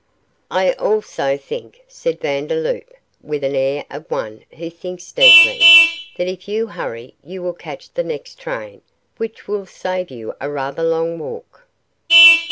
I also think,' said Vandeloup, with an air of one who thinks deeply, 'that if you hurry you will catch the next train, which will save you a rather long walk.